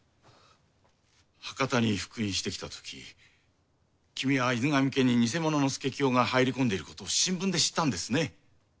博多に復員してきたとき君は犬神家に偽者の佐清が入り込んでいることを新聞で知ったんですね。